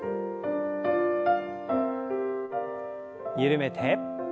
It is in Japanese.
緩めて。